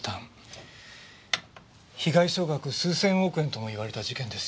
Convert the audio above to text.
被害総額数千億円ともいわれた事件です。